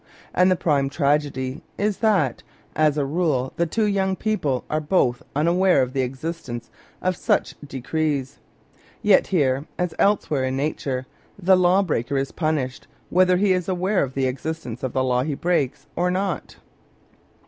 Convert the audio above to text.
And the prime tragedy is that, as a rule, the two young people are both unaware of the existence of such de crees. Yet here, as elsewhere in Nature, the law The Broken Joy " breaker is punished whether he is aware of the exist ence of the law he breaks or not.